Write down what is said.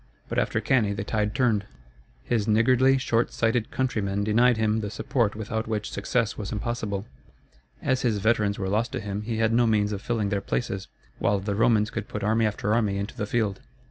But after Cannæ the tide turned. His niggardly, short sighted countrymen denied him the support without which success was impossible. As his veterans were lost to him he had no means of filling their places, while the Romans could put army after army into the field.